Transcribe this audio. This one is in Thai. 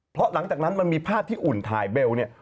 เพราะหลังจากนั้นมันมีภาพที่อุ่นถ่ายเบลเนี่ย